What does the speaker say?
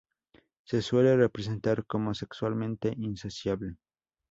Se le suele representar como sexualmente insaciable.